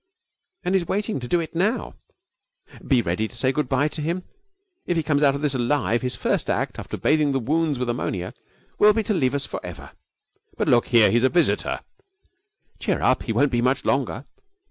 and is waiting to do it now. Be ready to say good bye to him. If he comes out of this alive, his first act, after bathing the wounds with ammonia, will be to leave us for ever.' 'But look here, he's a visitor ' 'Cheer up! He won't be much longer.'